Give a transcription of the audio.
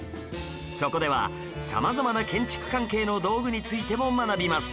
そこでは様々な建築関係の道具についても学びます